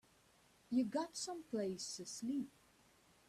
You got someplace to sleep?